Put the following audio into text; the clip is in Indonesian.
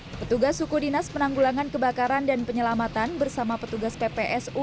petugas suku dinas penanggulangan kebakaran dan penyelamatan bersama petugas ppsu